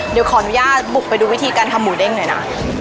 เดี๋ยวขออนุญาตบุกไปดูวิธีการทำหมูเด้งหน่อยนะ